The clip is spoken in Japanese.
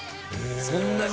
そんなに？